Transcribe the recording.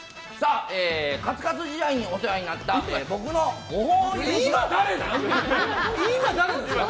カツカツ時代にお世話になった今は誰なんですか？